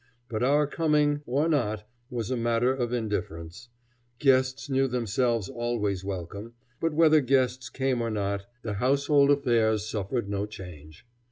But our coming or not was a matter of indifference. Guests knew themselves always welcome, but whether guests came or not the household affairs suffered no change.